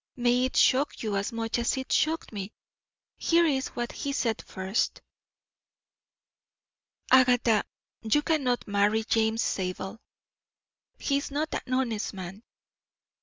May it shock you as much as it shocked me. Here is what he said first: "Agatha, you cannot marry James Zabel. He is not an honest man.